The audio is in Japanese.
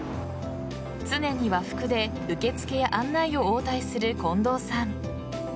常に和服で受付や案内を応対する近藤さん。